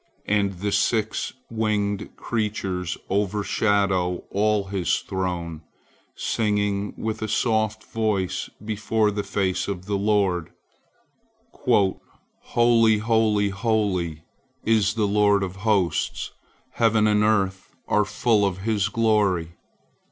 And the six winged creatures overshadow all His throne, singing with a soft voice before the face of the Lord, "Holy, holy, holy, is the Lord of hosts; heaven and earth are full of His glory."